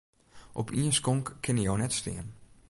Op ien skonk kinne jo net stean.